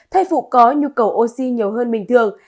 thai phụ có nhu cầu oxy nhiều hơn bình thường